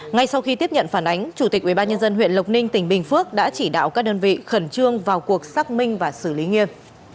ngay sau khi tiếp nhận phản ánh chủ tịch ubnd huyện lộc ninh tỉnh bình phước đã chỉ đạo các đơn vị khẩn trương vào cuộc xác minh và xử lý nghiêm